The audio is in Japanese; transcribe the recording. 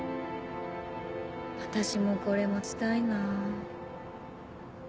私もこれ持ちたいなぁ。